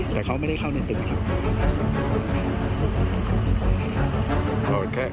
แต่เขาไม่ได้เข้าในตึกนะครับ